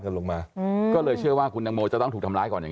ลงมาอืมก็เลยเชื่อว่าคุณตังโมจะต้องถูกทำร้ายก่อนอย่าง